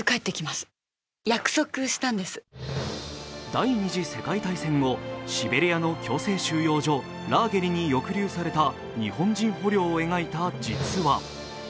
第二次世界大戦後、シベリアの強制収容所ラーゲリに抑留された日本人捕虜を描いた実話。